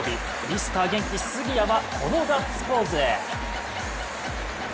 ミスター元気・杉谷はこのガッツポーズ！